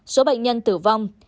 ba số bệnh nhân tử vong